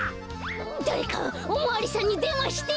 だれかおまわりさんにでんわして！